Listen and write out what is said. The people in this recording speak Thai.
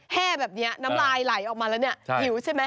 แห้แบบนี้น้ำลายไหลออกมาแล้วเนี่ยหิวใช่ไหม